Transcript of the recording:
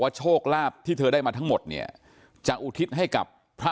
โชคลาภที่เธอได้มาทั้งหมดเนี่ยจะอุทิศให้กับพระ